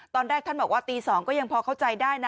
ตอนแรกท่านบอกว่าตี๒ก็ยังพอเข้าใจได้นะ